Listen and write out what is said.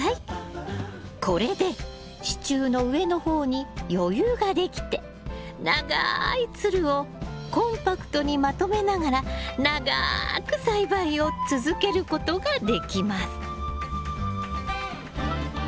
これで支柱の上の方に余裕ができて長いつるをコンパクトにまとめながら長く栽培を続けることができます。